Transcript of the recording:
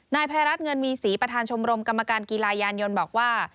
นายภัยรัฐเงินมีศรีประธานชมรมกรรมการกีฬายานยนต์บอกว่า